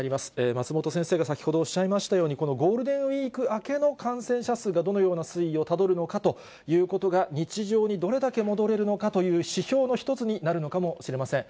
松本先生が先ほどおっしゃいましたように、このゴールデンウィーク明けの感染者数がどのような推移をたどるのかということが、日常にどれだけ戻れるのかという指標の一つになるのかもしれません。